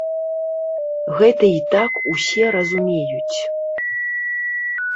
Гэта і так усё разумеюць.